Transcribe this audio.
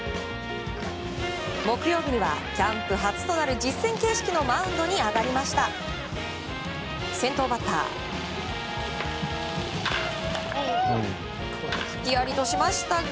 木曜日にはキャンプ初となる実戦形式のマウンドに上がりました。